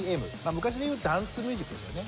昔で言うダンス・ミュージックですよね。